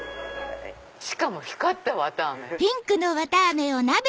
しかも光った綿あめ。